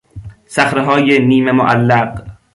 صخرههای نیمه معلق